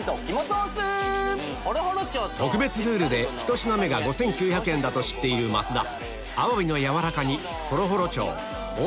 特別ルールで１品目が５９００円だと知っている増田